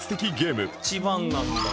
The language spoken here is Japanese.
１番なんだ。